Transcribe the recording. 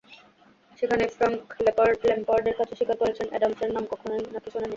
সেখানেই ফ্রাঙ্ক ল্যাম্পার্ডের কাছে স্বীকার করেছেন, অ্যাডামসের নাম নাকি কখনোই শোনেননি।